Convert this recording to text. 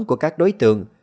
của các đối tượng